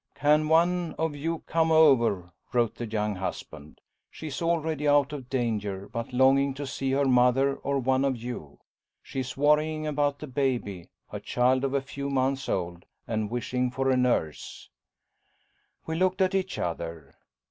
"Can one of you come over?" wrote the young husband. "She is already out of danger, but longing to see her mother or one of you. She is worrying about the baby" a child of a few months old "and wishing for nurse." We looked at each other.